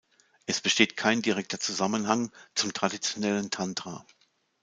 Es besteht kein direkter Zusammenhang zum traditionellen Tantra.